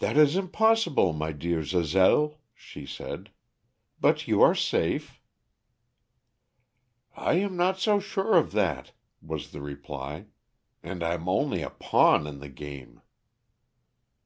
"That is impossible, my dear Zazel," she said. "But you are safe." "I am not so sure of that," was the reply. "And I'm only a pawn in the game."